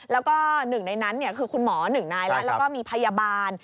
แล้วก็๑ในนั้นคือคุณหมอ๑นายแล้วก็มีพยาบาล